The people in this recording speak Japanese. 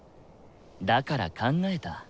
だから考えた。